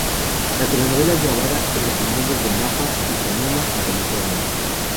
La telenovela es grabada en los viñedos de Napa y Sonoma, en California.